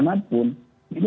jadi seperti ini